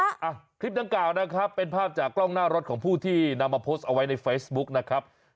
อ่ะคลิปดังกล่าวนะครับเป็นภาพจากกล้องหน้ารถของผู้ที่นำมาโพสต์เอาไว้ในเฟซบุ๊กนะครับ